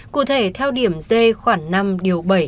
cụ thể theo điểm d khoảng năm điều bảy